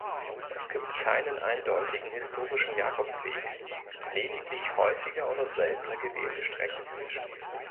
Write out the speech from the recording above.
Es gibt keinen eindeutigen historischen Jakobsweg, lediglich häufiger oder seltener gewählte Strecken.